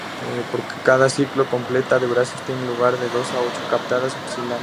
Por cada ciclo completo de brazos tienen lugar de dos a ocho patadas oscilantes.